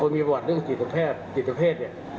มีประวัติเรื่องจิตแพทย์จิตเพศเนี่ย